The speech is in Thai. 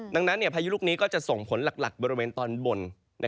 ดังนั้นพายุลูกนี้ก็จะส่งผลหลักบริเวณตอนบน